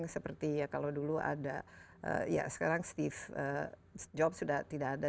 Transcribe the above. seperti ya kalau dulu ada ya sekarang steve job sudah tidak ada